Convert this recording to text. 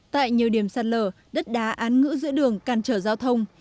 tại nhiều điểm sạt lở đất đá án ngữ giữa đường càn trở giao thông